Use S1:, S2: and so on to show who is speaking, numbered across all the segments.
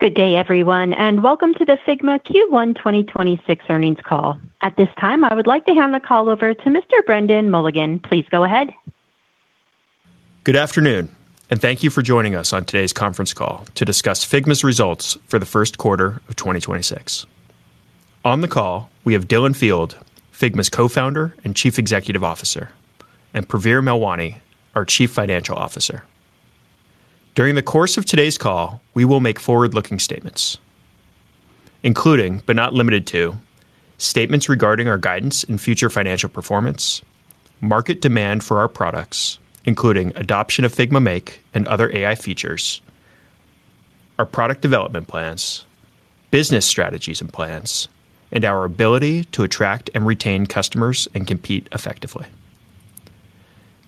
S1: Good day, everyone, and welcome to the Figma Q1 2026 Earnings Call. At this time, I would like to hand the call over to Mr. Brendan Mulligan. Please go ahead.
S2: Good afternoon, and thank you for joining us on today's conference call to discuss Figma's results for the first quarter of 2026. On the call, we have Dylan Field, Figma's Co-founder and Chief Executive Officer, and Praveer Melwani, our Chief Financial Officer. During the course of today's call, we will make forward-looking statements, including, but not limited to, statements regarding our guidance and future financial performance, market demand for our products, including adoption of Figma Make and other AI features, our product development plans, business strategies and plans, and our ability to attract and retain customers and compete effectively.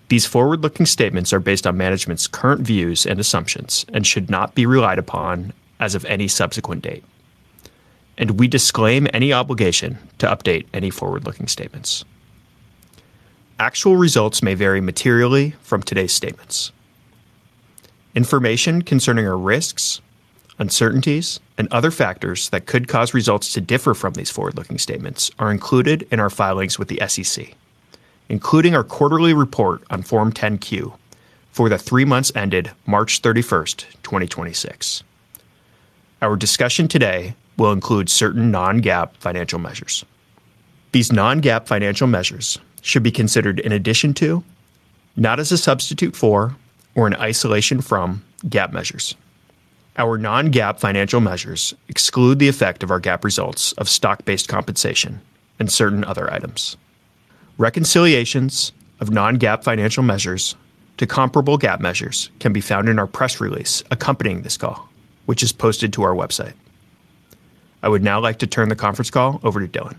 S2: These forward-looking statements are based on management's current views and assumptions and should not be relied upon as of any subsequent date. We disclaim any obligation to update any forward-looking statements. Actual results may vary materially from today's statements. Information concerning our risks, uncertainties, and other factors that could cause results to differ from these forward-looking statements are included in our filings with the SEC, including our quarterly report on Form 10-Q for the three months ended March 31st, 2026. Our discussion today will include certain non-GAAP financial measures. These non-GAAP financial measures should be considered in addition to, not as a substitute for or in isolation from, GAAP measures. Our non-GAAP financial measures exclude the effect of our GAAP results of stock-based compensation and certain other items. Reconciliations of non-GAAP financial measures to comparable GAAP measures can be found in our press release accompanying this call, which is posted to our website. I would now like to turn the conference call over to Dylan.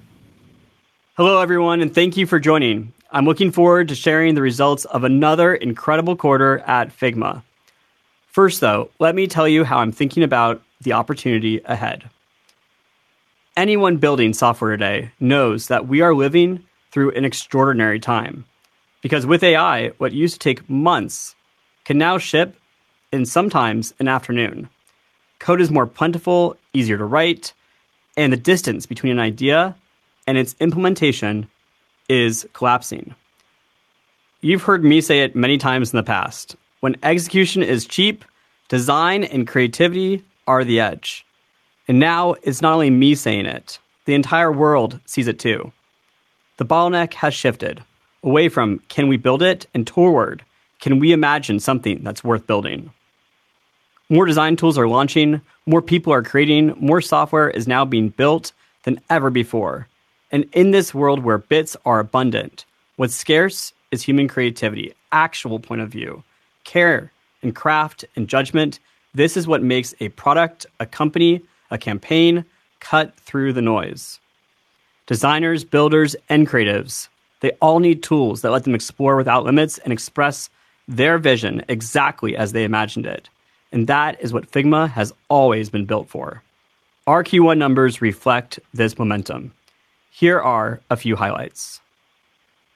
S3: Hello, everyone, and thank you for joining. I'm looking forward to sharing the results of another incredible quarter at Figma. First, though, let me tell you how I'm thinking about the opportunity ahead. Anyone building software today knows that we are living through an extraordinary time, because with AI, what used to take months can now ship in sometimes an afternoon. Code is more plentiful, easier to write, and the distance between an idea and its implementation is collapsing. You've heard me say it many times in the past. When execution is cheap, design and creativity are the edge. Now it's not only me saying it, the entire world sees it too. The bottleneck has shifted away from can we build it and toward can we imagine something that's worth building? More design tools are launching, more people are creating, more software is now being built than ever before. In this world where bits are abundant, what's scarce is human creativity, actual point of view, care and craft and judgment. This is what makes a product, a company, a campaign cut through the noise. Designers, builders, and creatives, they all need tools that let them explore without limits and express their vision exactly as they imagined it. That is what Figma has always been built for. Our Q1 numbers reflect this momentum. Here are a few highlights.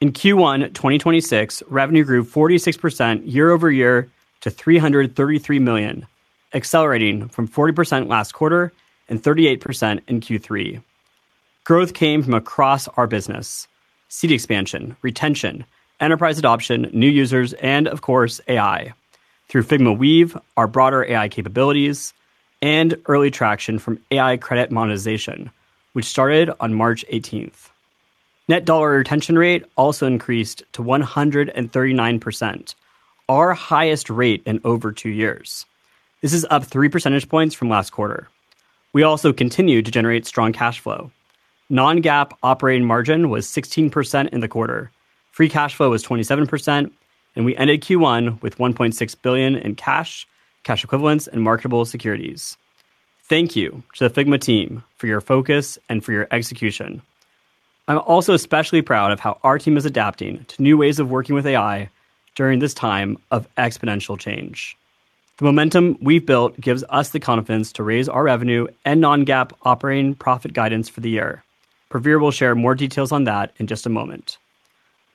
S3: In Q1 2026, revenue grew 46% year-over-year to $333 million, accelerating from 40% last quarter and 38% in Q3. Growth came from across our business: seat expansion, retention, enterprise adoption, new users, and of course, AI through Figma Weave, our broader AI capabilities, and early traction from AI credit monetization, which started on March 18th. Net dollar retention rate also increased to 139%, our highest rate in over two years. This is up 3 percentage points from last quarter. We also continue to generate strong cash flow. Non-GAAP operating margin was 16% in the quarter. Free cash flow was 27%, and we ended Q1 with $1.6 billion in cash equivalents, and marketable securities. Thank you to the Figma team for your focus and for your execution. I'm also especially proud of how our team is adapting to new ways of working with AI during this time of exponential change. The momentum we've built gives us the confidence to raise our revenue and non-GAAP operating profit guidance for the year. Praveer will share more details on that in just a moment.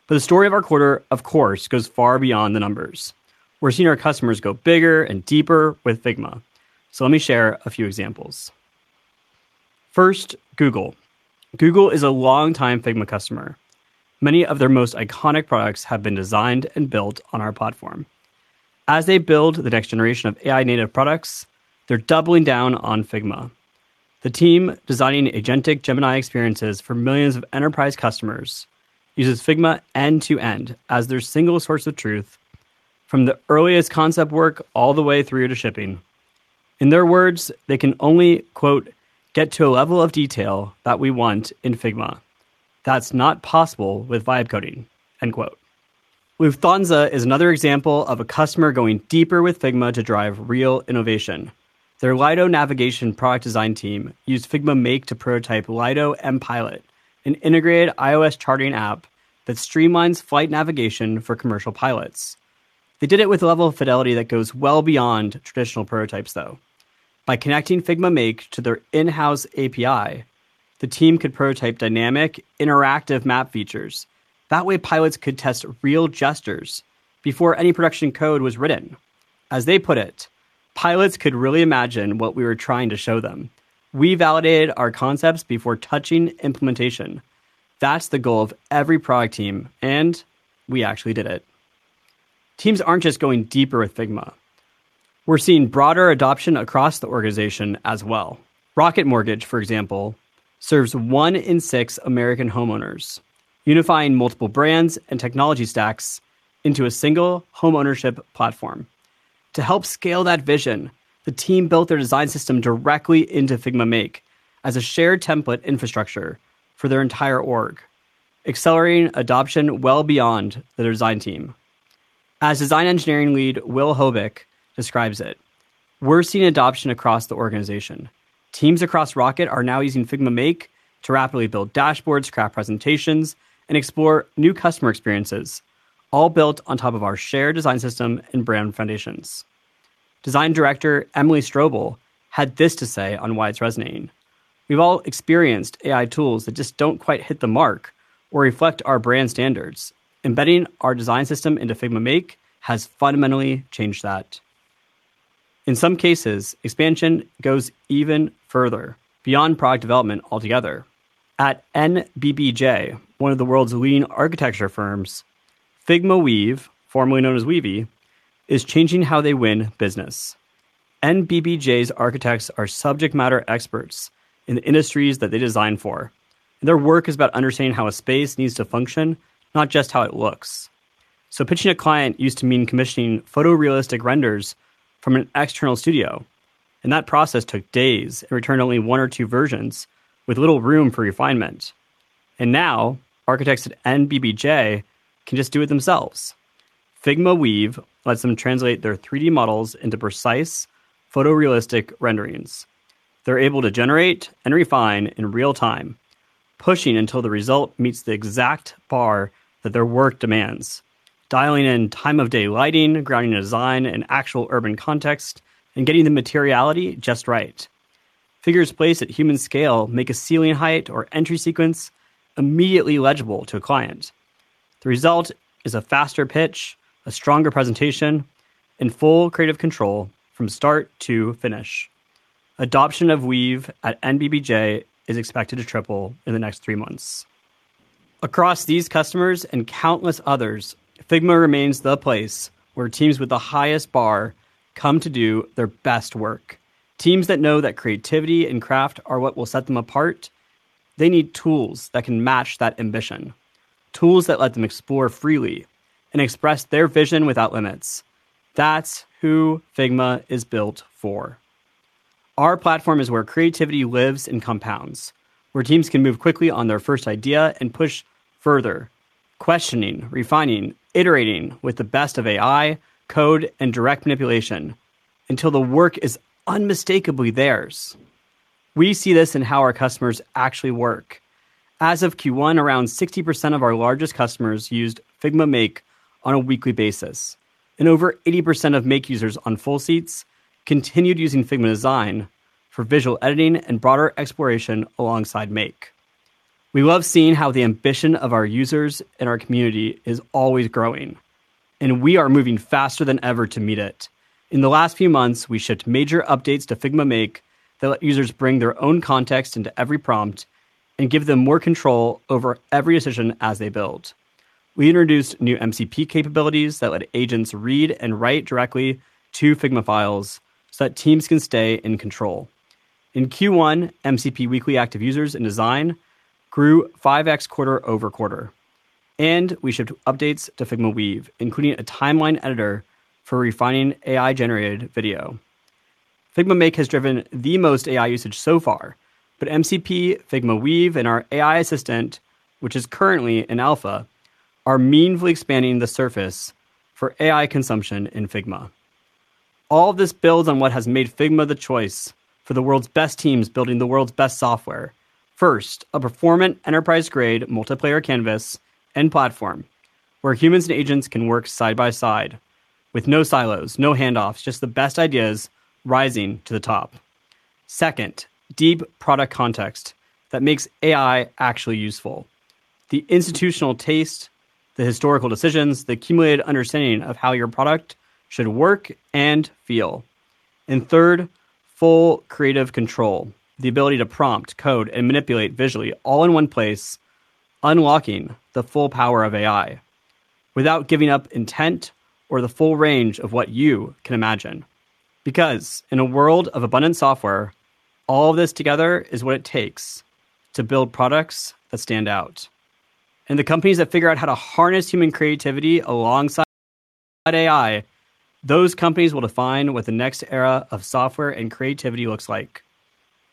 S3: The story of our quarter, of course, goes far beyond the numbers. We're seeing our customers go bigger and deeper with Figma. Let me share a few examples. First, Google. Google is a longtime Figma customer. Many of their most iconic products have been designed and built on our platform. As they build the next generation of AI-native products, they're doubling down on Figma. The team designing agentic Gemini experiences for millions of enterprise customers uses Figma end-to-end as their single source of truth from the earliest concept work all the way through to shipping. In their words, they can only "Get to a level of detail that we want in Figma that's not possible with vibe coding." Lufthansa is another example of a customer going deeper with Figma to drive real innovation. Their Lido navigation product design team used Figma Make to prototype Lido mPilot, an integrated iOS charting app that streamlines flight navigation for commercial pilots. They did it with a level of fidelity that goes well beyond traditional prototypes, though. By connecting Figma Make to their in-house API. The team could prototype dynamic interactive map features. That way pilots could test real gestures before any production code was written. As they put it, pilots could really imagine what we were trying to show them. We validated our concepts before touching implementation. That's the goal of every product team, and we actually did it. Teams aren't just going deeper with Figma. We're seeing broader adoption across the organization as well. Rocket Mortgage, for example, serves one in six American homeowners, unifying multiple brands and technology stacks into a single home ownership platform. To help scale that vision, the team built their design system directly into Figma Make as a shared template infrastructure for their entire org, accelerating adoption well beyond the design team. As design engineering lead Will Hobick describes it, we're seeing adoption across the organization. Teams across Rocket are now using Figma Make to rapidly build dashboards, craft presentations, and explore new customer experiences, all built on top of our shared design system and brand foundations. Design director Emily Strobl had this to say on why it's resonating. We've all experienced AI tools that just don't quite hit the mark or reflect our brand standards. Embedding our design system into Figma Make has fundamentally changed that. In some cases, expansion goes even further, beyond product development altogether. At NBBJ, one of the world's leading architecture firms, Figma Weave, formerly known as Weavy, is changing how they win business. NBBJ's architects are subject matter experts in the industries that they design for. Their work is about understanding how a space needs to function, not just how it looks. Pitching a client used to mean commissioning photorealistic renders from an external studio, and that process took days and returned only one or two versions with little room for refinement. Now, architects at NBBJ can just do it themselves. Figma Weave lets them translate their 3D models into precise photorealistic renderings. They're able to generate and refine in real time, pushing until the result meets the exact bar that their work demands, dialing in time of day lighting, grounding a design in actual urban context, and getting the materiality just right. Figures placed at human scale make a ceiling height or entry sequence immediately legible to a client. The result is a faster pitch, a stronger presentation, and full creative control from start to finish. Adoption of Weave at NBBJ is expected to triple in the next three months. Across these customers and countless others, Figma remains the place where teams with the highest bar come to do their best work. Teams that know that creativity and craft are what will set them apart, they need tools that can match that ambition, tools that let them explore freely and express their vision without limits. That's who Figma is built for. Our platform is where creativity lives and compounds, where teams can move quickly on their first idea and push further, questioning, refining, iterating with the best of AI, code, and direct manipulation until the work is unmistakably theirs. We see this in how our customers actually work. As of Q1, around 60% of our largest customers used Figma Make on a weekly basis, and over 80% of Make users on full seats continued using Figma Design for visual editing and broader exploration alongside Make. We love seeing how the ambition of our users and our community is always growing, and we are moving faster than ever to meet it. In the last few months, we shipped major updates to Figma Make that let users bring their own context into every prompt and give them more control over every decision as they build. We introduced new MCP capabilities that let agents read and write directly to Figma files so that teams can stay in control. In Q1, MCP weekly active users in design grew 5x quarter-over-quarter. We shipped updates to Figma Weave, including a timeline editor for refining AI generated video. Figma Make has driven the most AI usage so far, but MCP, Figma Weave, and our AI assistant, which is currently in alpha, are meaningfully expanding the surface for AI consumption in Figma. All this builds on what has made Figma the choice for the world's best teams building the world's best software. First, a performant enterprise-grade multiplayer canvas and platform where humans and agents can work side by side with no silos, no handoffs, just the best ideas rising to the top. Second, deep product context that makes AI actually useful. The institutional taste, the historical decisions, the accumulated understanding of how your product should work and feel. Third, full creative control, the ability to prompt code and manipulate visually all in one place, unlocking the full power of AI without giving up intent or the full range of what you can imagine. In a world of abundant software, all this together is what it takes to build products that stand out. The companies that figure out how to harness human creativity alongside AI, those companies will define what the next era of software and creativity looks like.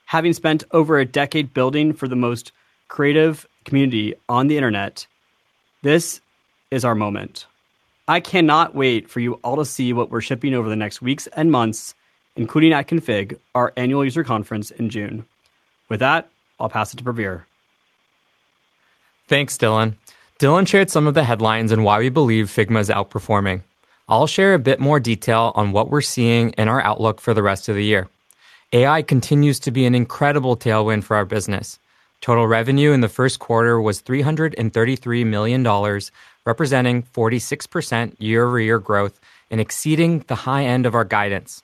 S3: Having spent over a decade building for the most creative community on the Internet, this is our moment. I cannot wait for you all to see what we're shipping over the next weeks and months, including at Config, our annual user conference in June. With that, I'll pass it to Praveer.
S4: Thanks, Dylan. Dylan shared some of the headlines and why we believe Figma is outperforming. I'll share a bit more detail on what we're seeing and our outlook for the rest of the year. AI continues to be an incredible tailwind for our business. Total revenue in the first quarter was $333 million, representing 46% year-over-year growth and exceeding the high end of our guidance.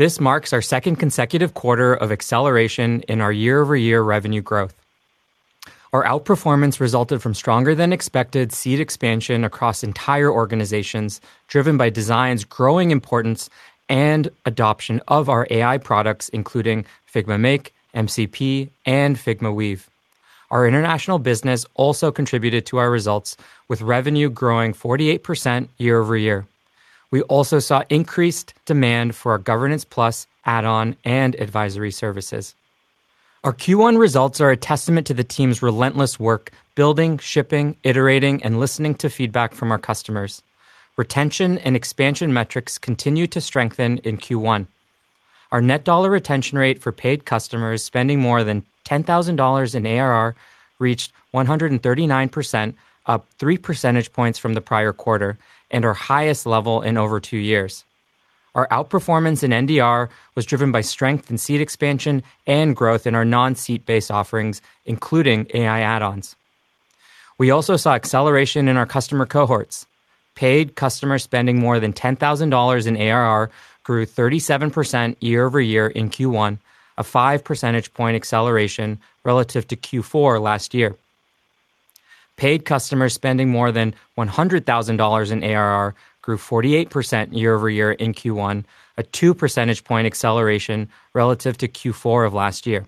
S4: This marks our second consecutive quarter of acceleration in our year-over-year revenue growth. Our outperformance resulted from stronger than expected seat expansion across entire organizations, driven by design's growing importance and adoption of our AI products, including Figma Make, MCP, and Figma Weave. Our international business also contributed to our results, with revenue growing 48% year-over-year. We also saw increased demand for our Governance+ add-on and advisory services. Our Q1 results are a testament to the team's relentless work building, shipping, iterating, and listening to feedback from our customers. Retention and expansion metrics continued to strengthen in Q1. Our net dollar retention rate for paid customers spending more than $10,000 in ARR reached 139%, up 3 percentage points from the prior quarter and our highest level in over two years. Our outperformance in NDR was driven by strength in seat expansion and growth in our non-seat-based offerings, including AI add-ons. We also saw acceleration in our customer cohorts. Paid customer spending more than $10,000 in ARR grew 37% year-over-year in Q1, a 5 percentage point acceleration relative to Q4 last year. Paid customer spending more than $100,000 in ARR grew 48% year-over-year in Q1, a 2 percentage point acceleration relative to Q4 of last year.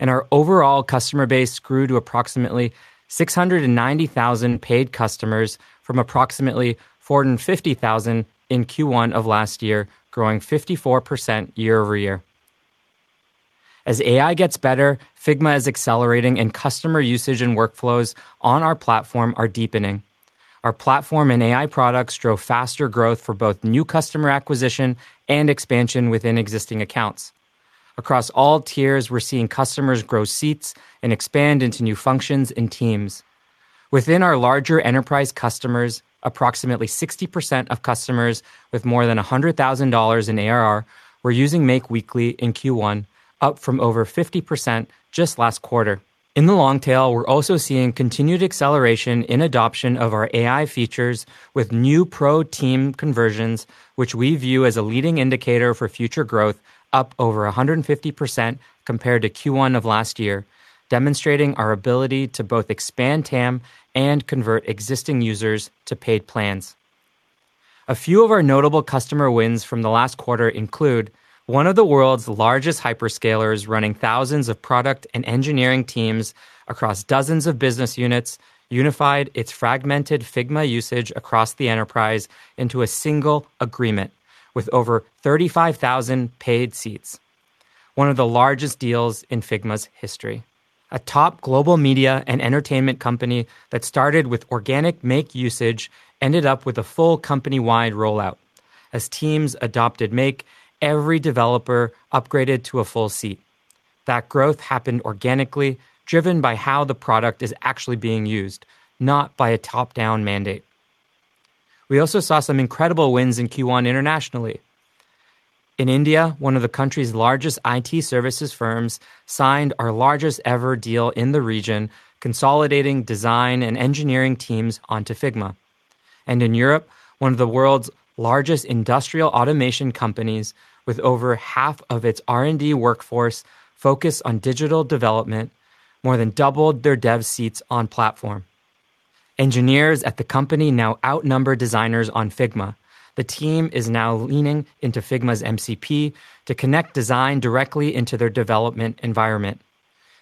S4: Our overall customer base grew to approximately 690,000 paid customers from approximately 450,000 in Q1 of last year, growing 54% year-over-year. As AI gets better, Figma is accelerating, and customer usage and workflows on our platform are deepening. Our platform and AI products drove faster growth for both new customer acquisition and expansion within existing accounts. Across all tiers, we're seeing customers grow seats and expand into new functions and teams. Within our larger enterprise customers, approximately 60% of customers with more than $100,000 in ARR were using Make weekly in Q1, up from over 50% just last quarter. In the long tail, we're also seeing continued acceleration in adoption of our AI features with new Pro team conversions, which we view as a leading indicator for future growth, up over 150% compared to Q1 of last year, demonstrating our ability to both expand TAM and convert existing users to paid plans. A few of our notable customer wins from the last quarter include one of the world's largest hyperscalers running thousands of product and engineering teams across dozens of business units unified its fragmented Figma usage across the enterprise into a single agreement with over 35,000 paid seats, one of the largest deals in Figma's history. A top global media and entertainment company that started with organic Make usage ended up with a full company-wide rollout. As teams adopted Make, every developer upgraded to a full seat. That growth happened organically, driven by how the product is actually being used, not by a top-down mandate. We also saw some incredible wins in Q1 internationally. In India, one of the country's largest IT services firms signed our largest ever deal in the region, consolidating design and engineering teams onto Figma. In Europe, one of the world's largest industrial automation companies with over half of its R&D workforce focused on digital development more than doubled their dev seats on platform. Engineers at the company now outnumber designers on Figma. The team is now leaning into Figma's MCP to connect design directly into their development environment.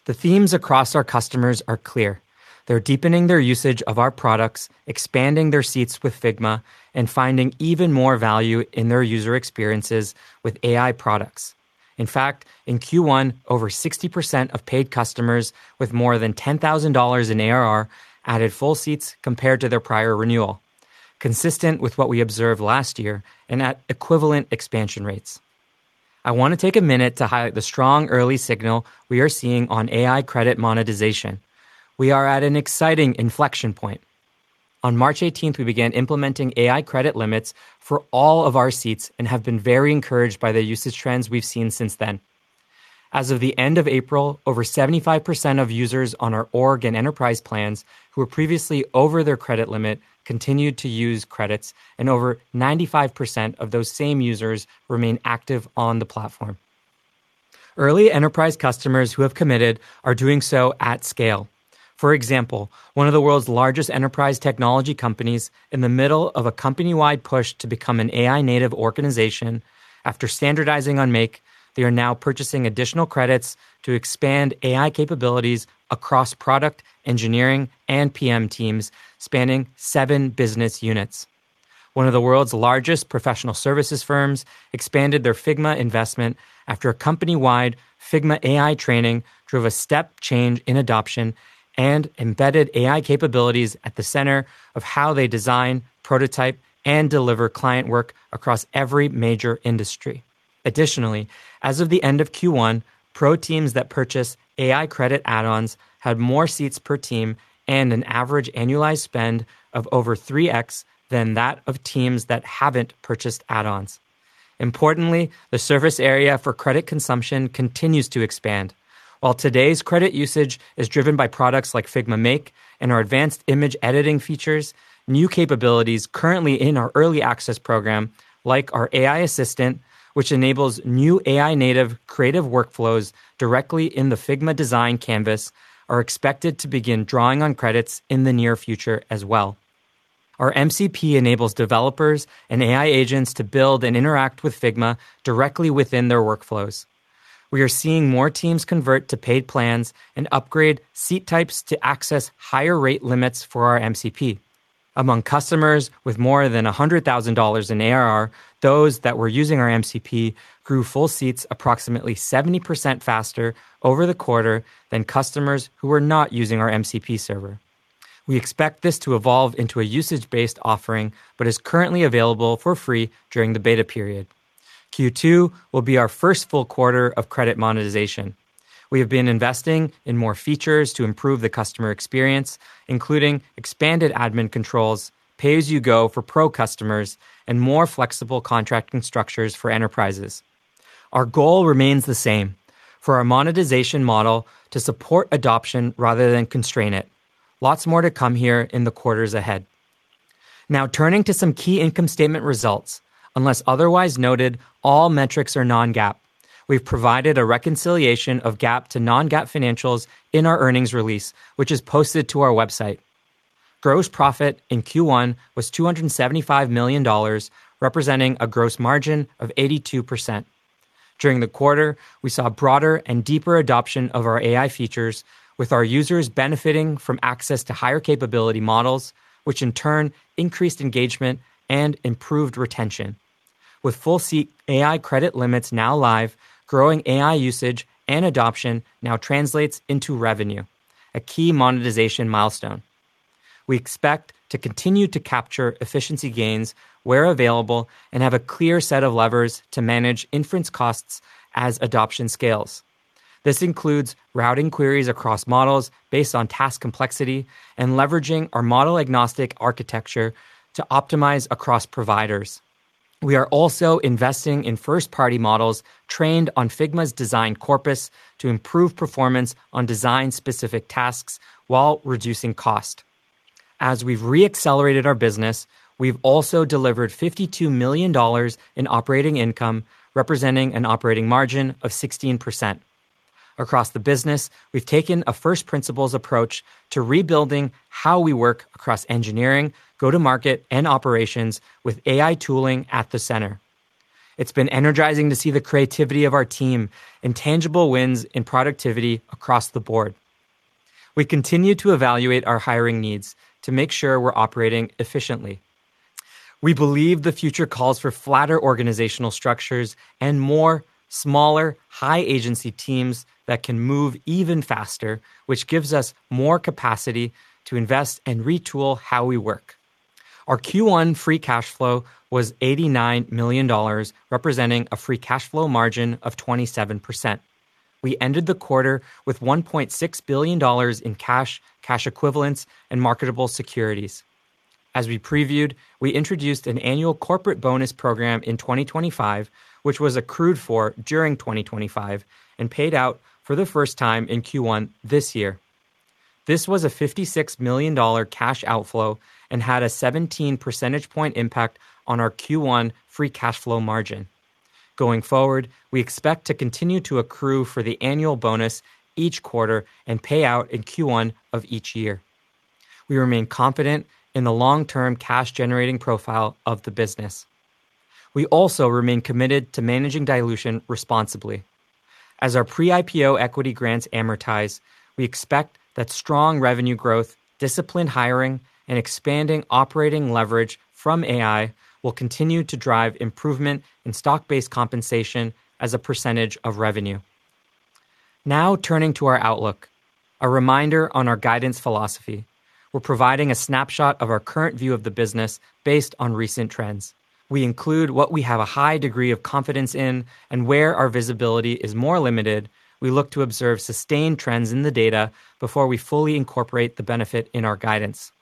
S4: The themes across our customers are clear. They're deepening their usage of our products, expanding their seats with Figma, and finding even more value in their user experiences with AI products. In Q1, over 60% of paid customers with more than $10,000 in ARR added full seats compared to their prior renewal, consistent with what we observed last year and at equivalent expansion rates. I want to take a minute to highlight the strong early signal we are seeing on AI credit monetization. We are at an exciting inflection point. On March 18th, we began implementing AI credit limits for all of our seats and have been very encouraged by the usage trends we’ve seen since then. As of the end of April, over 75% of users on our org and enterprise plans who were previously over their credit limit continued to use credits, and over 95% of those same users remain active on the platform. Early enterprise customers who have committed are doing so at scale. For example, one of the world's largest enterprise technology companies in the middle of a company-wide push to become an AI-native organization after standardizing on Make, they are now purchasing additional credits to expand AI capabilities across product, engineering, and PM teams spanning seven business units. One of the world's largest professional services firms expanded their Figma investment after a company-wide Figma AI training drove a step change in adoption and embedded AI capabilities at the center of how they design, prototype, and deliver client work across every major industry. Additionally, as of the end of Q1, pro teams that purchase AI credit add-ons had more seats per team and an average annualized spend of over 3x than that of teams that haven't purchased add-ons. Importantly, the service area for credit consumption continues to expand. While today's credit usage is driven by products like Figma Make and our advanced image editing features, new capabilities currently in our early access program, like our AI assistant, which enables new AI native creative workflows directly in the Figma design canvas, are expected to begin drawing on credits in the near future as well. Our MCP enables developers and AI agents to build and interact with Figma directly within their workflows. We are seeing more teams convert to paid plans and upgrade seat types to access higher rate limits for our MCP. Among customers with more than $100,000 in ARR, those that were using our MCP grew full seats approximately 70% faster over the quarter than customers who were not using our MCP server. We expect this to evolve into a usage-based offering, but is currently available for free during the beta period. Q2 will be our first full quarter of credit monetization. We have been investing in more features to improve the customer experience, including expanded admin controls, pay-as-you-go for pro customers, and more flexible contracting structures for enterprises. Our goal remains the same, for our monetization model to support adoption rather than constrain it. Lots more to come here in the quarters ahead. Now, turning to some key income statement results. Unless otherwise noted, all metrics are non-GAAP. We've provided a reconciliation of GAAP to non-GAAP financials in our earnings release, which is posted to our website. Gross profit in Q1 was $275 million, representing a gross margin of 82%. During the quarter, we saw broader and deeper adoption of our AI features with our users benefiting from access to higher capability models, which in turn increased engagement and improved retention. With full seat AI credit limits now live, growing AI usage and adoption now translates into revenue, a key monetization milestone. We expect to continue to capture efficiency gains where available and have a clear set of levers to manage inference costs as adoption scales. This includes routing queries across models based on task complexity and leveraging our model-agnostic architecture to optimize across providers. We are also investing in first-party models trained on Figma's design corpus to improve performance on design-specific tasks while reducing cost. As we've re-accelerated our business, we've also delivered $52 million in operating income, representing an operating margin of 16%. Across the business, we've taken a first principles approach to rebuilding how we work across engineering, go-to-market, and operations with AI tooling at the center. It's been energizing to see the creativity of our team and tangible wins in productivity across the board. We continue to evaluate our hiring needs to make sure we're operating efficiently. We believe the future calls for flatter organizational structures and more smaller, high agency teams that can move even faster, which gives us more capacity to invest and retool how we work. Our Q1 free cash flow was $89 million, representing a free cash flow margin of 27%. We ended the quarter with $1.6 billion in cash equivalents, and marketable securities. As we previewed, we introduced an annual corporate bonus program in 2025, which was accrued for during 2025 and paid out for the first time in Q1 this year. This was a $56 million cash outflow and had a 17 percentage point impact on our Q1 free cash flow margin. Going forward, we expect to continue to accrue for the annual bonus each quarter and pay out in Q1 of each year. We remain confident in the long-term cash generating profile of the business. We also remain committed to managing dilution responsibly. As our pre-IPO equity grants amortize, we expect that strong revenue growth, disciplined hiring, and expanding operating leverage from AI will continue to drive improvement in stock-based compensation as a % of revenue. Now, turning to our outlook, a reminder on our guidance philosophy. We're providing a snapshot of our current view of the business based on recent trends. We include what we have a high degree of confidence in and where our visibility is more limited, we look to observe sustained trends in the data before we fully incorporate the benefit in our guidance.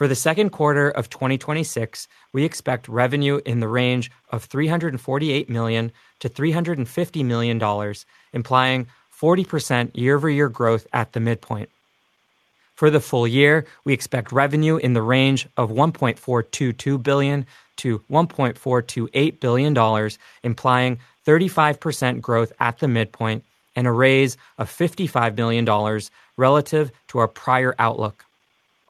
S4: For the second quarter of 2026, we expect revenue in the range of $348 million-$350 million, implying 40% year-over-year growth at the midpoint. For the full year, we expect revenue in the range of $1.422 billion-$1.428 billion, implying 35% growth at the midpoint and a raise of $55 billion relative to our prior outlook.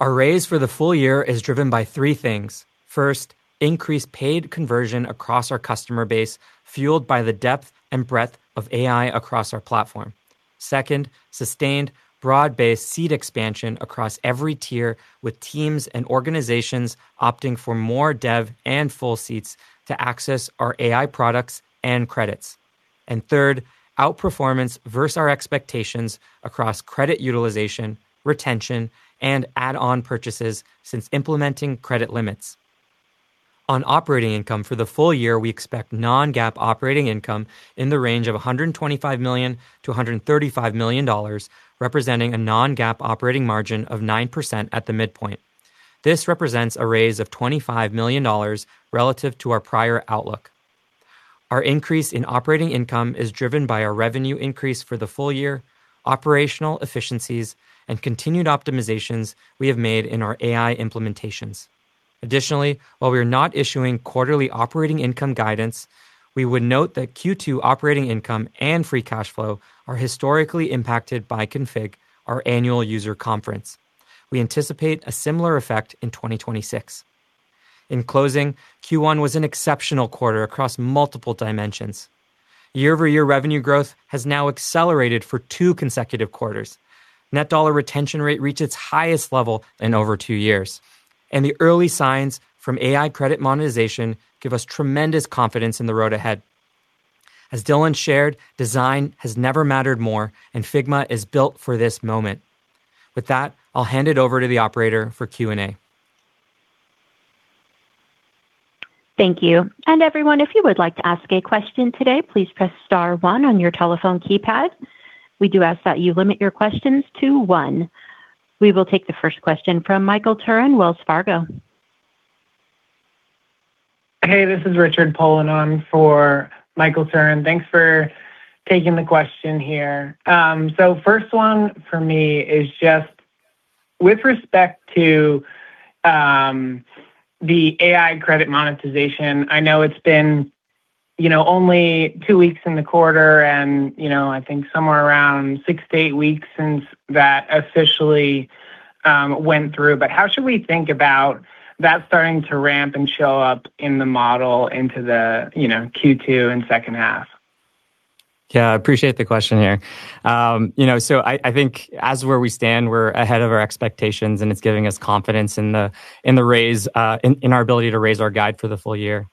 S4: Our raise for the full year is driven by three things. First, increased paid conversion across our customer base, fueled by the depth and breadth of AI across our platform. Second, sustained broad-based seat expansion across every tier with teams and organizations opting for more dev and full seats to access our AI products and credits. Third, outperformance versus our expectations across credit utilization, retention, and add-on purchases since implementing credit limits. On operating income for the full year, we expect non-GAAP operating income in the range of $125 million-$135 million, representing a non-GAAP operating margin of 9% at the midpoint. This represents a raise of $25 million relative to our prior outlook. Our increase in operating income is driven by our revenue increase for the full year, operational efficiencies, and continued optimizations we have made in our AI implementations. While we are not issuing quarterly operating income guidance, we would note that Q2 operating income and free cash flow are historically impacted by Config, our annual user conference. We anticipate a similar effect in 2026. In closing, Q1 was an exceptional quarter across multiple dimensions. Year-over-year revenue growth has now accelerated for two consecutive quarters. Net dollar retention rate reached its highest level in over two years, and the early signs from AI credit monetization give us tremendous confidence in the road ahead. As Dylan shared, design has never mattered more, and Figma is built for this moment. With that, I'll hand it over to the operator for Q&A.
S1: Thank you. Everyone, if you would like to ask a question today, please press star one on your telephone keypad. We do ask that you limit your questions to one. We will take the first question from Michael Turrin, Wells Fargo.
S5: Hey, this is Richard Poland for Michael Turrin. Thanks for taking the question here. First one for me is just with respect to the AI credit monetization. I know it's been, you know, only two weeks in the quarter and, you know, I think somewhere around six to eight weeks since that officially went through. How should we think about that starting to ramp and show up in the model into the, you know, Q2 and second half?
S4: Yeah, I appreciate the question here. You know, I think as where we stand, we're ahead of our expectations, and it's giving us confidence in the raise in our ability to raise our guide for the full year.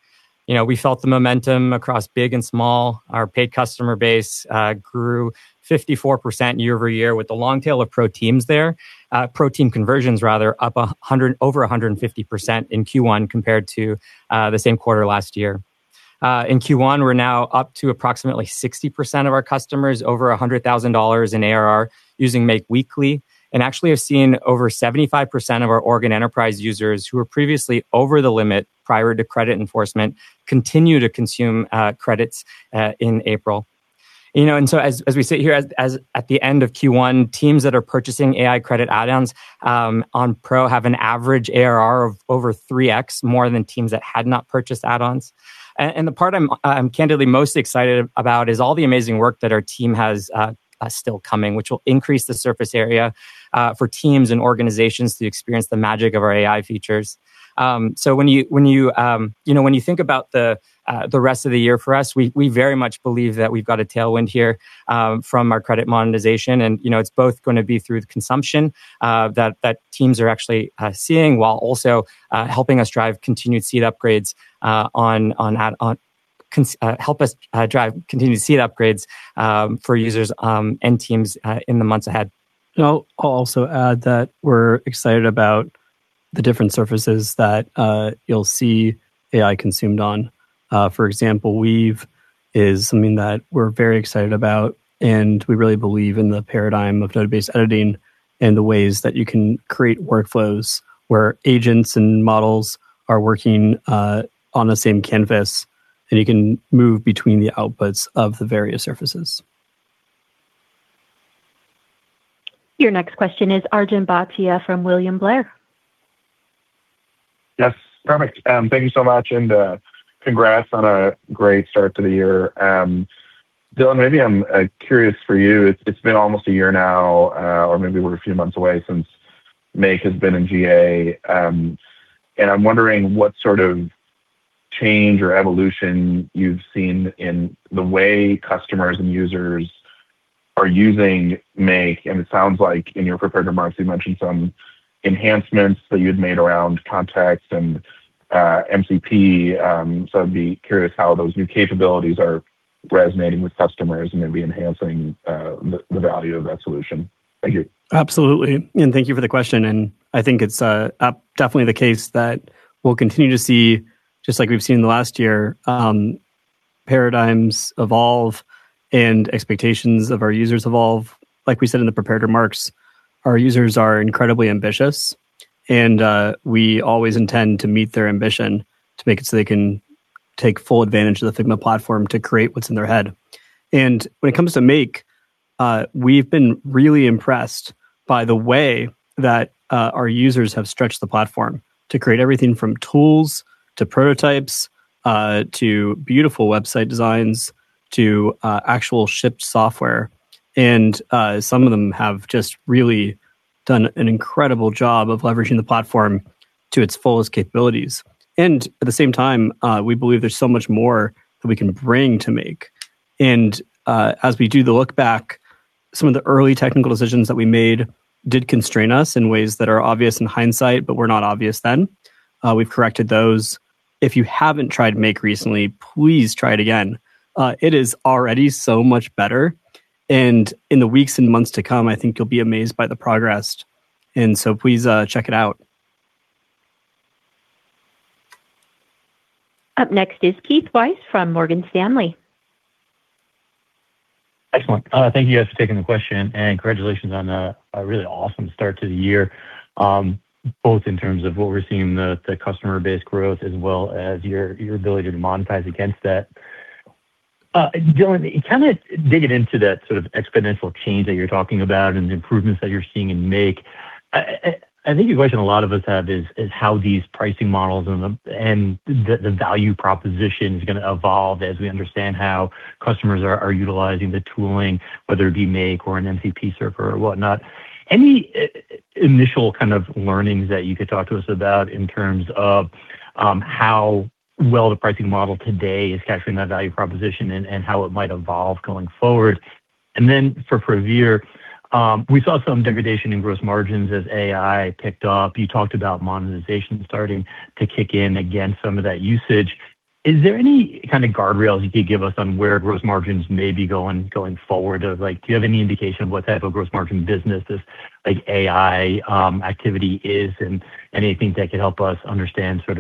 S4: You know, we felt the momentum across big and small. Our paid customer base grew 54% year-over-year with the long tail of pro teams there. Pro team conversions rather up over 150% in Q1 compared to the same quarter last year. In Q1, we're now up to approximately 60% of our customers, over $100,000 in ARR using Make weekly. Actually, we're seeing over 75% of our org and enterprise users who were previously over the limit prior to credit enforcement continue to consume credits in April. You know, as we sit here at the end of Q1, teams that are purchasing AI credit add-ons on Pro have an average ARR of over 3x more than teams that had not purchased add-ons. The part I'm candidly most excited about is all the amazing work that our team has still coming, which will increase the surface area for teams and organizations to experience the magic of our AI features. When you, when you know, when you think about the rest of the year for us, we very much believe that we've got a tailwind here from our credit monetization. You know, it's both gonna be through the consumption that teams are actually seeing while also helping us drive continued seat upgrades for users and teams in the months ahead.
S3: I'll also add that we're excited about the different surfaces that you'll see AI consumed on. For example, Figma Weave is something that we're very excited about, and we really believe in the paradigm of database editing and the ways that you can create workflows where agents and models are working on the same canvas, and you can move between the outputs of the various surfaces.
S1: Your next question is Arjun Bhatia from William Blair.
S6: Yes. Perfect. Thank you so much, and congrats on a great start to the year. Dylan, maybe I'm curious for you. It's been almost a year now, or maybe we're a few months away since Make has been in GA. I'm wondering what sort of change or evolution you've seen in the way customers and users are using Make. It sounds like in your prepared remarks, you mentioned some enhancements that you had made around context and MCP. I'd be curious how those new capabilities are resonating with customers and maybe enhancing the value of that solution. Thank you.
S3: Absolutely. Thank you for the question. I think it's definitely the case that we'll continue to see, just like we've seen in the last year, paradigms evolve and expectations of our users evolve. Like we said in the prepared remarks, our users are incredibly ambitious, and we always intend to meet their ambition to make it so they can take full advantage of the Figma platform to create what's in their head. When it comes to Make, we've been really impressed by the way that our users have stretched the platform to create everything from tools, to prototypes, to beautiful website designs, to actual shipped software. Some of them have just really done an incredible job of leveraging the platform to its fullest capabilities. At the same time, we believe there's so much more that we can bring to Make. As we do the look back, some of the early technical decisions that we made did constrain us in ways that are obvious in hindsight, but were not obvious then. We've corrected those. If you haven't tried Make recently, please try it again. It is already so much better, and in the weeks and months to come, I think you'll be amazed by the progress, and so please check it out.
S1: Up next is Keith Weiss from Morgan Stanley.
S7: Excellent. Thank you guys for taking the question, and congratulations on a really awesome start to the year, both in terms of what we're seeing the customer base growth as well as your ability to monetize against that. Dylan, kind of digging into that sort of exponential change that you're talking about and the improvements that you're seeing in Figma Make, I think a question a lot of us have is how these pricing models and the value proposition is gonna evolve as we understand how customers are utilizing the tooling, whether it be Figma Make or an MCP or whatnot. Any initial kind of learnings that you could talk to us about in terms of how well the pricing model today is capturing that value proposition and how it might evolve going forward? For Praveer, we saw some degradation in gross margins as AI ticked up. You talked about monetization starting to kick in again, some of that usage. Is there any kind of guardrails you could give us on where gross margins may be going forward? Do you have any indication of what type of gross margin business this like AI activity is and anything that could help us understand sort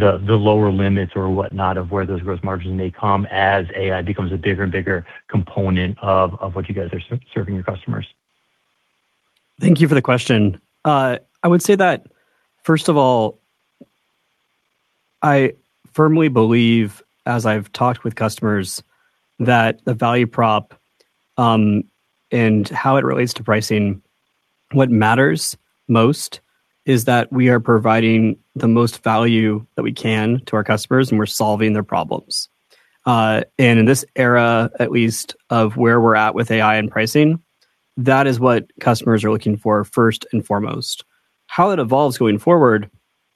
S7: of the lower limits or whatnot of where those gross margins may come as AI becomes a bigger and bigger component of what you guys are serving your customers?
S3: Thank you for the question. I would say that, first of all, I firmly believe, as I've talked with customers, that the value prop, and how it relates to pricing, what matters most is that we are providing the most value that we can to our customers, and we're solving their problems. In this era at least of where we're at with AI and pricing, that is what customers are looking for first and foremost. How it evolves going forward,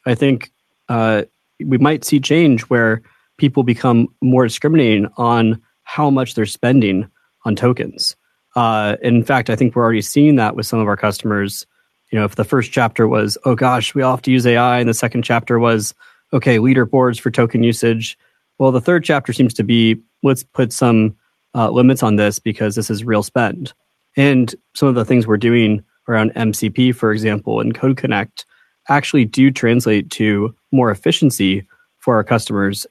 S3: I think, we might see change where people become more discriminating on how much they're spending on tokens. In fact, I think we're already seeing that with some of our customers. You know, if the first chapter was, "Oh gosh, we all have to use AI," the second chapter was, "Okay, leaderboards for token usage," well, the third chapter seems to be, "Let's put some limits on this because this is real spend." Some of the things we're doing around MCP, for example, and Code Connect actually do translate to more efficiency for our customers.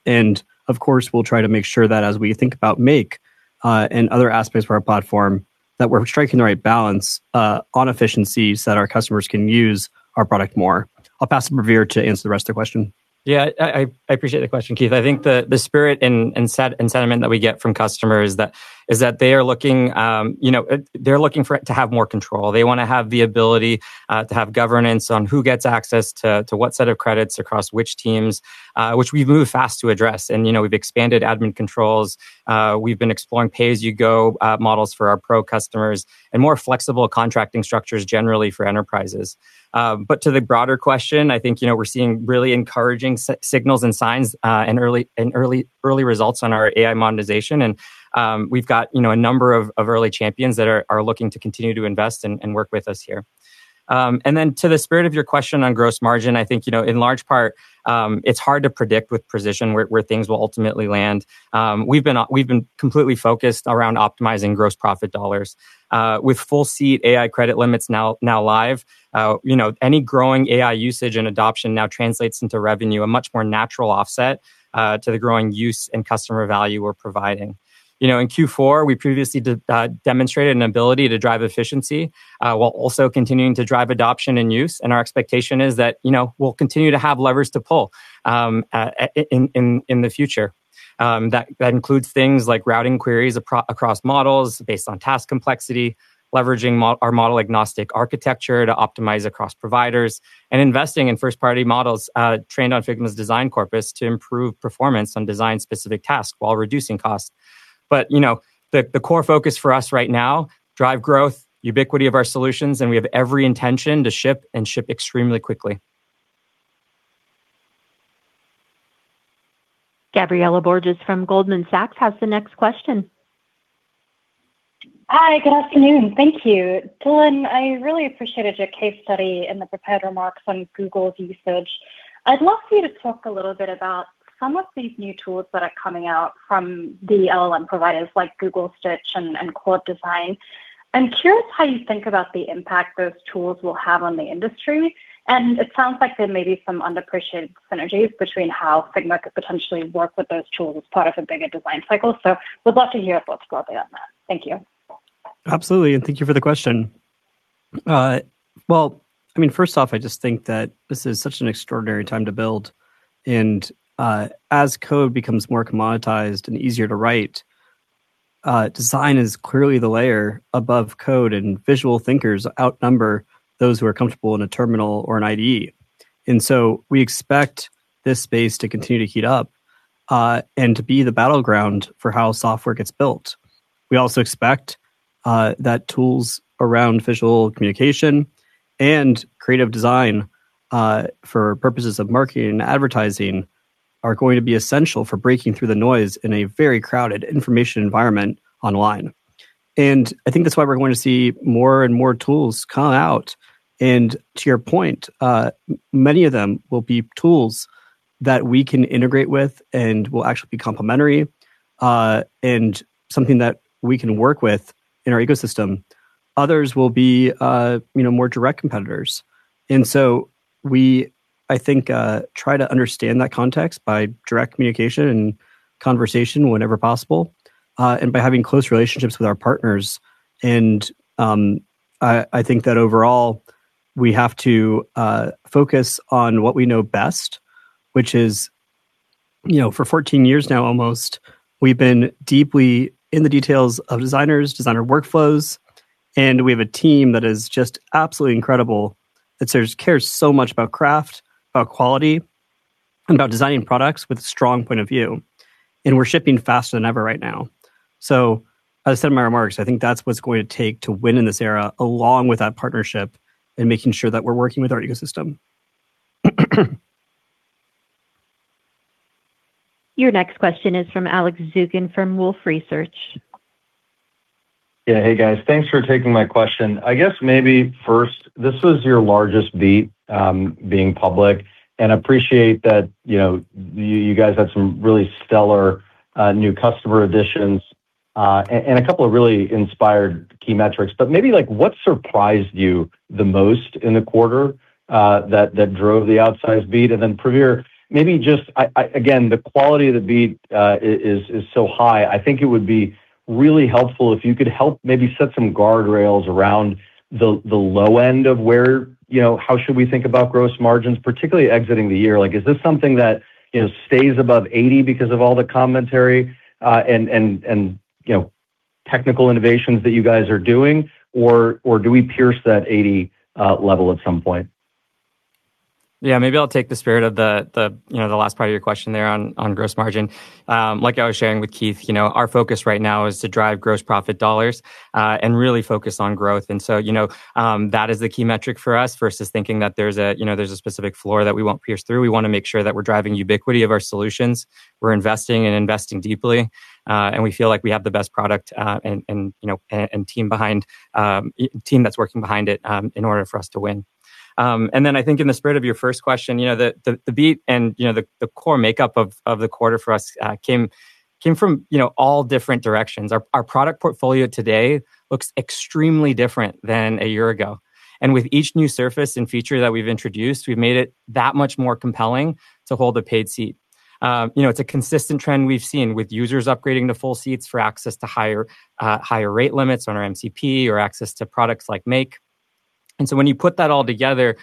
S3: Of course, we'll try to make sure that as we think about Make and other aspects of our platform, that we're striking the right balance on efficiencies that our customers can use our product more. I'll pass to Praveer to answer the rest of the question.
S4: Yeah. I appreciate the question, Keith. I think the spirit and sentiment that we get from customers that is that they are looking, you know, they're looking for it to have more control. They wanna have the ability to have governance on who gets access to what set of credits across which teams, which we've moved fast to address. You know, we've expanded admin controls. We've been exploring pay-as-you-go models for our pro customers and more flexible contracting structures generally for enterprises. To the broader question, I think, you know, we're seeing really encouraging signals and signs and early results on our AI monetization. We've got, you know, a number of early champions that are looking to continue to invest and work with us here. To the spirit of your question on gross margin, I think, you know, in large part, it's hard to predict with precision where things will ultimately land. We've been completely focused around optimizing gross profit dollars. With full seat AI credit limits now live, you know, any growing AI usage and adoption now translates into revenue, a much more natural offset to the growing use and customer value we're providing. You know, in Q4, we previously demonstrated an ability to drive efficiency, while also continuing to drive adoption and use, and our expectation is that, you know, we'll continue to have levers to pull in the future. That includes things like routing queries across models based on task complexity, leveraging our model-agnostic architecture to optimize across providers, and investing in first-party models, trained on Figma's design corpus to improve performance on design-specific tasks while reducing costs. The core focus for us right now, drive growth, ubiquity of our solutions, and we have every intention to ship and ship extremely quickly.
S1: Gabriela Borges from Goldman Sachs has the next question.
S8: Hi. Good afternoon. Thank you. Dylan, I really appreciated your case study in the prepared remarks on Google's usage. I'd love for you to talk a little bit about some of these new tools that are coming out from the LLM providers like Google Stitch and Claude Design. I'm curious how you think about the impact those tools will have on the industry, and it sounds like there may be some underappreciated synergies between how Figma could potentially work with those tools as part of a bigger design cycle. Would love to hear a thought broadly on that. Thank you.
S3: Absolutely, and thank you for the question. Well, I mean, first off, I just think that this is such an extraordinary time to build. As code becomes more commoditized and easier to write, design is clearly the layer above code, and visual thinkers outnumber those who are comfortable in a terminal or an IDE. We expect this space to continue to heat up, and to be the battleground for how software gets built. We also expect that tools around visual communication and creative design, for purposes of marketing and advertising are going to be essential for breaking through the noise in a very crowded information environment online. I think that's why we're going to see more and more tools come out. To your point, many of them will be tools that we can integrate with and will actually be complementary and something that we can work with in our ecosystem. Others will be, you know, more direct competitors. We, I think, try to understand that context by direct communication and conversation whenever possible and by having close relationships with our partners. I think that overall we have to focus on what we know best, which is, you know, for 14 years now almost, we've been deeply in the details of designers, designer workflows, and we have a team that is just absolutely incredible, that just cares so much about craft, about quality, and about designing products with a strong point of view. We're shipping faster than ever right now. As I said in my remarks, I think that's what it's going to take to win in this era, along with that partnership and making sure that we're working with our ecosystem.
S1: Your next question is from Alex Zukin from Wolfe Research.
S9: Yeah. Hey, guys. Thanks for taking my question. I guess maybe first, this is your largest beat, being public. Appreciate that, you know, you guys have some really stellar new customer additions and a couple of really inspired key metrics. Maybe like what surprised you the most in the quarter that drove the outsized beat? Praveer, maybe just Again, the quality of the beat is so high, I think it would be really helpful if you could help maybe set some guardrails around the low end of where, you know, how should we think about gross margins, particularly exiting the year. Like, is this something that, you know, stays above 80 because of all the commentary, and, you know, technical innovations that you guys are doing or do we pierce that 80 level at some point?
S4: Yeah. Maybe I'll take the spirit of the, you know, the last part of your question there on gross margin. Like I was sharing with Keith, you know, our focus right now is to drive gross profit dollars and really focus on growth. You know, that is the key metric for us versus thinking that there's a, you know, there's a specific floor that we won't pierce through. We wanna make sure that we're driving ubiquity of our solutions. We're investing and investing deeply and we feel like we have the best product and, you know, and team behind, team that's working behind it in order for us to win. I think in the spirit of your first question, you know, the, the beat and, you know, the core makeup of the quarter for us, came from, you know, all different directions. Our product portfolio today looks extremely different than a year ago. With each new surface and feature that we've introduced, we've made it that much more compelling to hold a paid seat. You know, it's a consistent trend we've seen with users upgrading to full seats for access to higher rate limits on our MCP or access to products like Make. When you put that all together,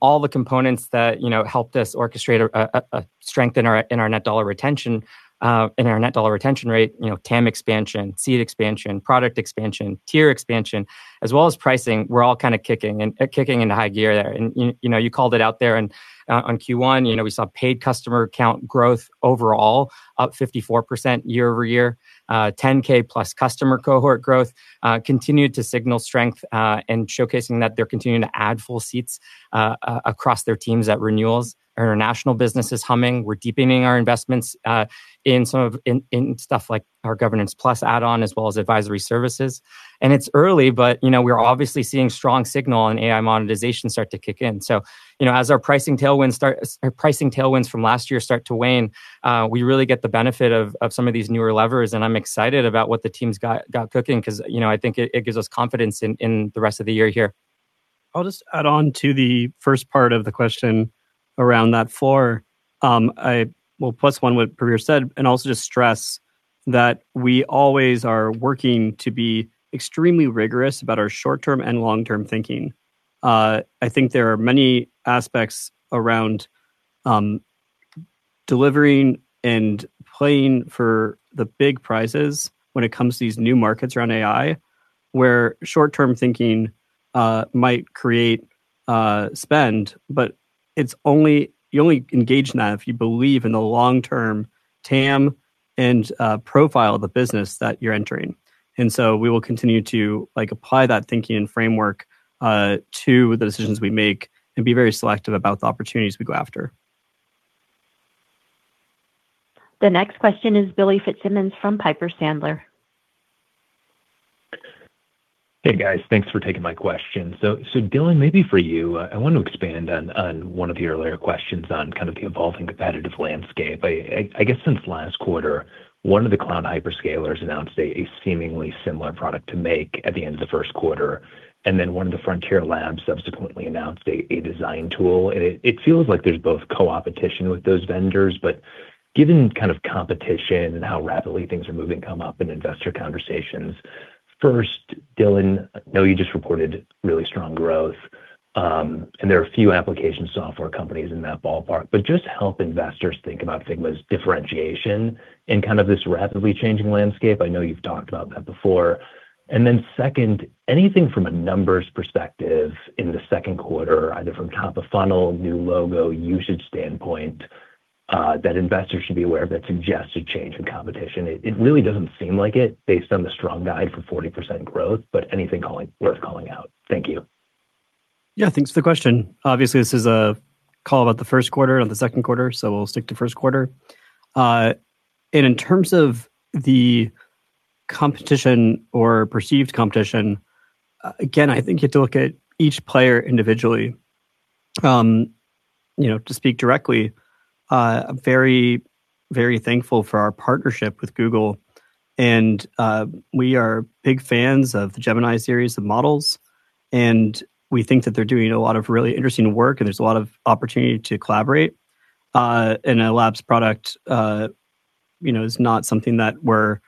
S4: all the components that, you know, helped us orchestrate a strength in our net dollar retention rate, you know, TAM expansion, seat expansion, product expansion, tier expansion, as well as pricing, we're all kind of kicking into high gear there. You know, you called it out there on Q1. You know, we saw paid customer count growth overall up 54% year-over-year. 10K+ customer cohort growth continued to signal strength and showcasing that they're continuing to add full seats across their teams at renewals. Our international business is humming. We're deepening our investments in stuff like our Governance+ add-on, as well as advisory services. It's early, but you know, we're obviously seeing strong signal in AI monetization start to kick in. You know, as our pricing tailwind start, our pricing tailwinds from last year start to wane, we really get the benefit of some of these newer levers, and I'm excited about what the team's got cooking because, you know, I think it gives us confidence in the rest of the year here.
S3: I'll just add on to the first part of the question around that floor. I will plus one what Praveer said, and also just stress that we always are working to be extremely rigorous about our short-term and long-term thinking. I think there are many aspects around delivering and playing for the big prizes when it comes to these new markets around AI, where short-term thinking might create spend, but it's only, you only engage in that if you believe in the long-term TAM and profile of the business that you're entering. We will continue to, like, apply that thinking and framework to the decisions we make and be very selective about the opportunities we go after.
S1: The next question is Billy Fitzsimmons from Piper Sandler.
S10: Hey, guys. Thanks for taking my question. Dylan, maybe for you, I wanted to expand on one of your earlier questions on kind of the evolving competitive landscape. I guess since last quarter, one of the cloud hyperscalers announced a seemingly similar product to Make at the end of the first quarter, and then one of the frontier labs subsequently announced a design tool. It feels like there's both co-opetition with those vendors. Given kind of competition and how rapidly things are moving come up in investor conversations, first, Dylan, I know you just reported really strong growth, and there are a few application software companies in that ballpark, but just help investors think about Figma's differentiation in kind of this rapidly changing landscape. I know you've talked about that before. Second, anything from a numbers perspective in the second quarter, either from top of funnel, new logo usage standpoint, that investors should be aware of that suggests a change in competition? It really doesn't seem like it based on the strong guide for 40% growth, but anything worth calling out. Thank you.
S3: Thanks for the question. Obviously, this is a call about the first quarter, not the second quarter. We'll stick to first quarter. In terms of the competition or perceived competition, again, I think you have to look at each player individually. You know, to speak directly, very, very thankful for our partnership with Google. We are big fans of the Gemini series of models. We think that they're doing a lot of really interesting work. There's a lot of opportunity to collaborate. A Labs product, you know, is not something that we're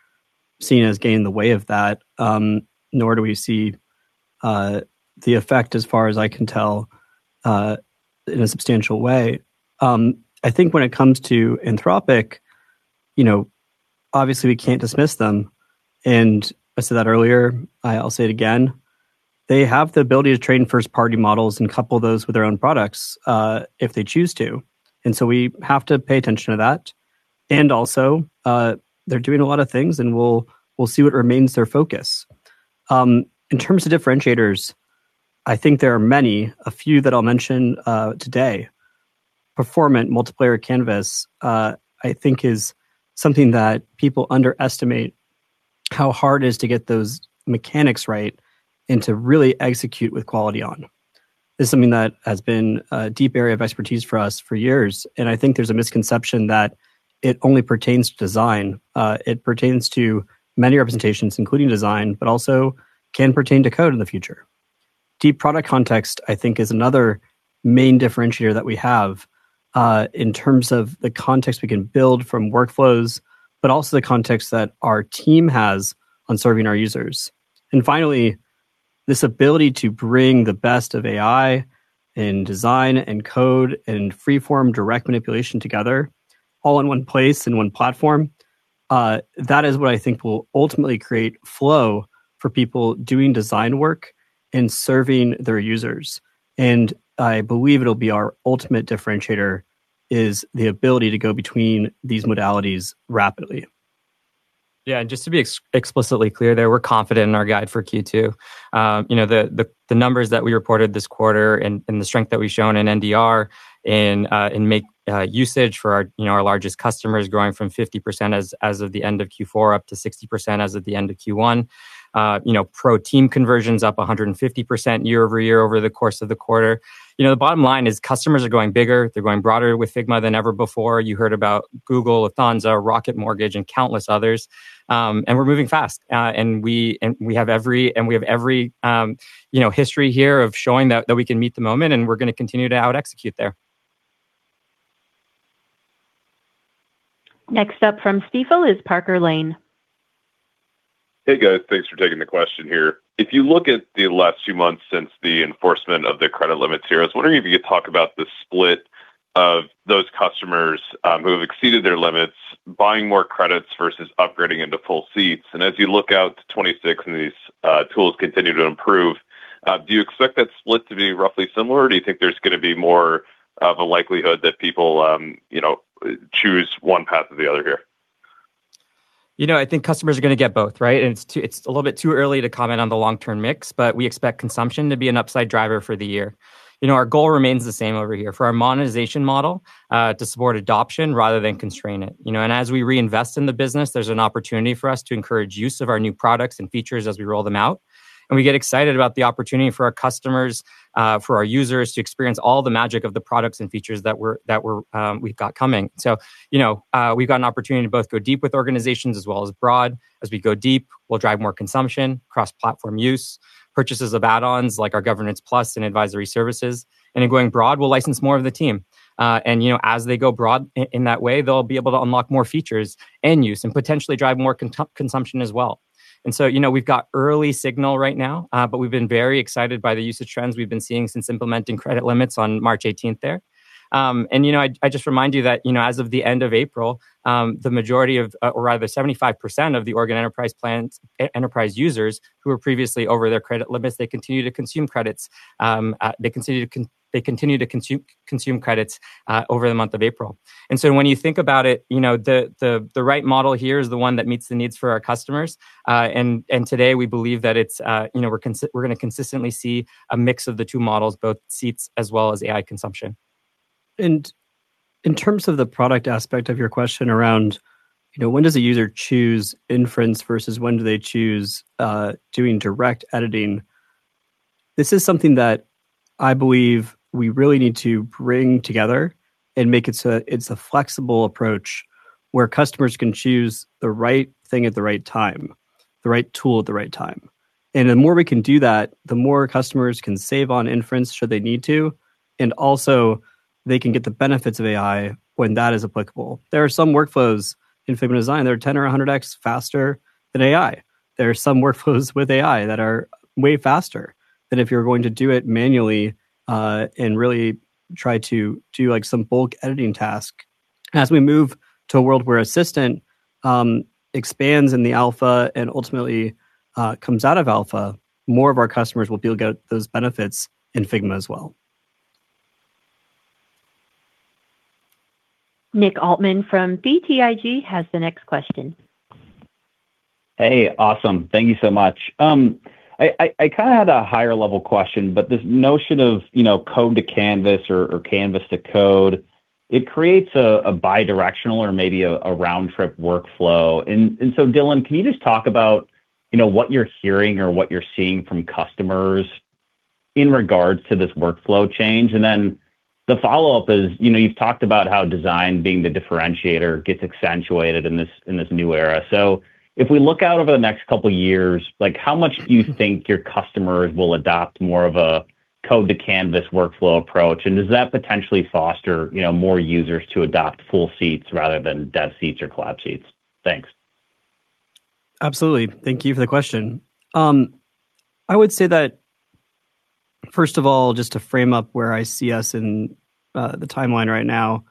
S3: seeing as getting in the way of that, nor do we see the effect, as far as I can tell, in a substantial way. I think when it comes to Anthropic, you know, obviously we can't dismiss them, and I said that earlier, I'll say it again. They have the ability to train first-party models and couple those with their own products, if they choose to. We have to pay attention to that. They're doing a lot of things, and we'll see what remains their focus. In terms of differentiators, I think there are many. A few that I'll mention today. Performant multiplayer canvas, I think is something that people underestimate how hard it is to get those mechanics right and to really execute with quality on. This is something that has been a deep area of expertise for us for years, and I think there's a misconception that it only pertains to design. It pertains to many representations, including design, but also can pertain to code in the future. Deep product context, I think, is another main differentiator that we have, in terms of the context we can build from workflows, but also the context that our team has on serving our users. Finally, this ability to bring the best of AI in design and code and freeform direct manipulation together all in one place, in one platform, that is what I think will ultimately create flow for people doing design work and serving their users. I believe it'll be our ultimate differentiator is the ability to go between these modalities rapidly.
S4: Yeah. Just to be explicitly clear there, we're confident in our guide for Q2. You know, the numbers that we reported this quarter and the strength that we've shown in NDR in Make usage for our, you know, our largest customers growing from 50% as of the end of Q4 up to 60% as of the end of Q1. You know, pro team conversion's up 150% year-over-year over the course of the quarter. You know, the bottom line is customers are going bigger, they're going broader with Figma than ever before. You heard about Google, Lufthansa, Rocket Mortgage, and countless others. We're moving fast. We have every, you know, history here of showing that we can meet the moment, and we're gonna continue to out-execute there.
S1: Next up from Stifel is Parker Lane.
S11: Hey, guys. Thanks for taking the question here. If you look at the last few months since the enforcement of the credit limits here, I was wondering if you could talk about the split of those customers who have exceeded their limits buying more credits versus upgrading into full seats. As you look out to 2026 and these tools continue to improve, do you expect that split to be roughly similar, or do you think there's gonna be more of a likelihood that people, you know, choose one path or the other here?
S4: You know, I think customers are gonna get both, right? It's a little bit too early to comment on the long-term mix, but we expect consumption to be an upside driver for the year. You know, our goal remains the same over here, for our monetization model, to support adoption rather than constrain it. You know, as we reinvest in the business, there's an opportunity for us to encourage use of our new products and features as we roll them out, and we get excited about the opportunity for our customers, for our users to experience all the magic of the products and features that we've got coming. You know, we've got an opportunity to both go deep with organizations as well as broad. As we go deep, we'll drive more consumption, cross-platform use, purchases of add-ons like our Governance+ and advisory services, and going broad, we'll license more of the team. You know, as they go broad in that way, they'll be able to unlock more features and use and potentially drive more consumption as well. You know, we've got early signal right now, but we've been very excited by the usage trends we've been seeing since implementing credit limits on March 18th there. You know, I just remind you that, you know, as of the end of April, the majority of, or rather 75% of the enterprise users who were previously over their credit limits, they continue to consume credits. They continue to consume credits over the month of April. When you think about it, you know, the right model here is the one that meets the needs for our customers. Today we believe that it's, you know, we're gonna consistently see a mix of the two models, both seats as well as AI consumption.
S3: In terms of the product aspect of your question around, you know, when does a user choose inference versus when do they choose doing direct editing, this is something that I believe we really need to bring together and make it so it's a flexible approach where customers can choose the right thing at the right time, the right tool at the right time. The more we can do that, the more customers can save on inference should they need to, and also they can get the benefits of AI when that is applicable. There are some workflows in Figma Design that are 10x or 100x faster than AI. There are some workflows with AI that are way faster than if you're going to do it manually, and really try to do, like, some bulk editing task. As we move to a world where Assistant expands in the alpha and ultimately comes out of alpha, more of our customers will be able to get those benefits in Figma as well.
S1: Nick Altmann from BTIG has the next question.
S12: Hey, awesome. Thank you so much. I kinda had a higher level question, but this notion of, you know, code to canvas or canvas to code, it creates a bi-directional or maybe a round trip workflow. Dylan, can you just talk about, you know, what you're hearing or what you're seeing from customers in regards to this workflow change? Then the follow-up is, you know, you've talked about how design being the differentiator gets accentuated in this new era. If we look out over the next couple years, like how much do you think your customers will adopt more of a code to canvas workflow approach? Does that potentially foster, you know, more users to adopt full seats rather than dev seats or collab seats? Thanks.
S3: Absolutely. Thank you for the question. I would say that first of all, just to frame up where I see us in the timeline right now,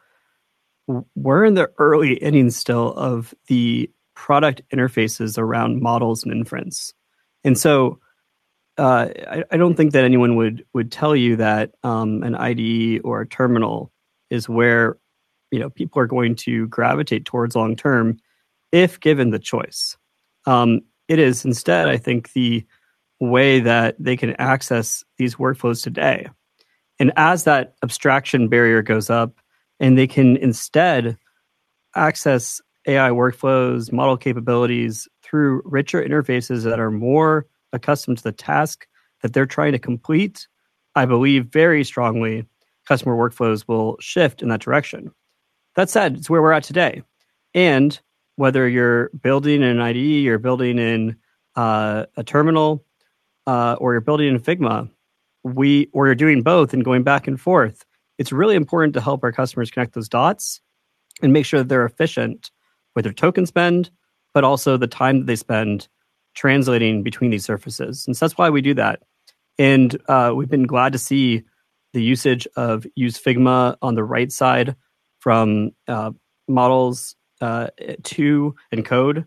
S3: we're in the early innings still of the product interfaces around models and inference. I don't think that anyone would tell you that an IDE or a terminal is where, you know, people are going to gravitate towards long term if given the choice. It is instead, I think, the way that they can access these workflows today. As that abstraction barrier goes up and they can instead access AI workflows, model capabilities through richer interfaces that are more accustomed to the task that they're trying to complete, I believe very strongly customer workflows will shift in that direction. That said, it's where we're at today. Whether you're building an IDE or building in a terminal or you're building in Figma, or you're doing both and going back and forth, it's really important to help our customers connect those dots and make sure that they're efficient with their token spend, but also the time that they spend translating between these surfaces. That's why we do that. We've been glad to see the usage of Use Figma on the right side from models to and code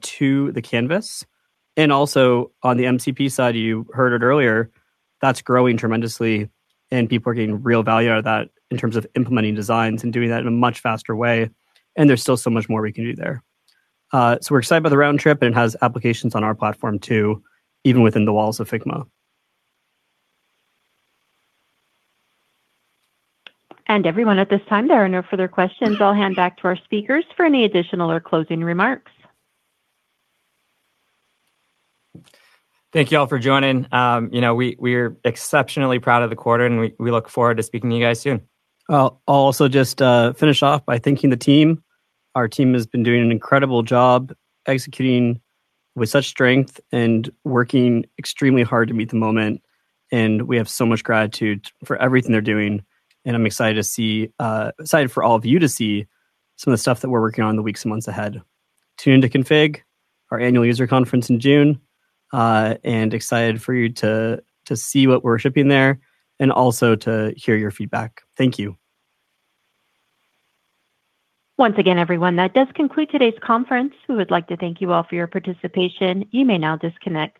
S3: to the canvas. On the MCP side, you heard it earlier, that's growing tremendously and people are getting real value out of that in terms of implementing designs and doing that in a much faster way. There's still so much more we can do there. We're excited by the round trip, and it has applications on our platform too, even within the walls of Figma.
S1: Everyone, at this time there are no further questions. I'll hand back to our speakers for any additional or closing remarks.
S4: Thank you all for joining. You know, we're exceptionally proud of the quarter, and we look forward to speaking to you guys soon.
S3: I'll also just finish off by thanking the team. Our team has been doing an incredible job executing with such strength and working extremely hard to meet the moment. We have so much gratitude for everything they're doing. I'm excited for all of you to see some of the stuff that we're working on in the weeks and months ahead. Tune into Config, our annual user conference in June. Excited for you to see what we're shipping there and also to hear your feedback. Thank you.
S1: Once again, everyone, that does conclude today's conference. We would like to thank you all for your participation. You may now disconnect.